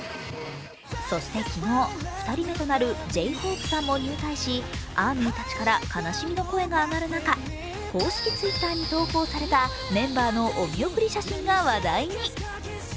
そして昨日、２人目となるＪ−ＨＯＰＥさんも入隊し、ＡＲＭＹたちから悲しみの声が上がる中公式Ｔｗｉｔｔｅｒに投稿されたメンバーのお見送り写真が話題に。